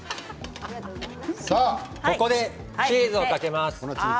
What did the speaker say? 最後にチーズをかけます。